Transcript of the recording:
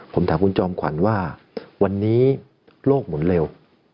ผมถามคุณจอมขวัญว่าวันนี้โลกหมุนเร็ว